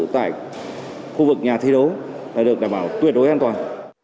tại khu vực nhà thi đấu được đảm bảo tuyệt đối an toàn